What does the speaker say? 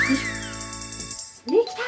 できた！